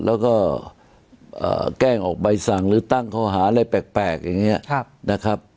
แล้วก็แกล้งออกใบสั่งหรือตั้งข้อหาอะไรแปลกอย่างนี้นะครับ